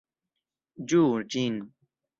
Ĝuu ĝin!